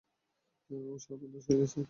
ওহ, সর্বনাশ হয়ে গেছে।